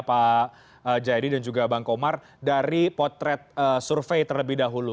pak jayadi dan juga bang komar dari potret survei terlebih dahulu